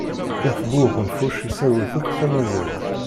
Ilef bu uxenfuc yesserwet akk tamazirt.